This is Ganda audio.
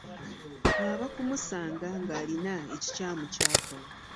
Aba kumusanga nga alina ekikyamu kyakola .